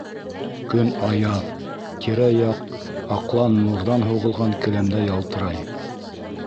Көн аяҙ, тирә-яҡ аҡлан нурҙан һуғылған келәмдәй ялтырай.